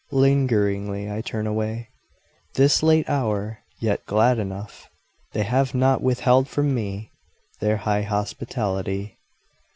Lingeringly I turn away, This late hour, yet glad enough They have not withheld from me Their high hospitality.